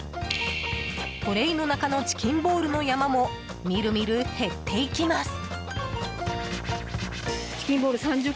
トレーの中のチキンボールの山もみるみる減っていきます。